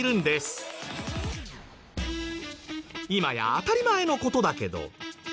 今や当たり前の事だけど。